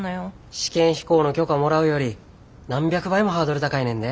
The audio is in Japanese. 試験飛行の許可もらうより何百倍もハードル高いねんで。